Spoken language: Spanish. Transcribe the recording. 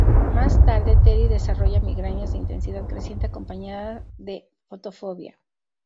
Más tarde, Teddy desarrolla migrañas de intensidad creciente acompañada de fotofobia.